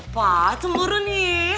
pak cemburu nih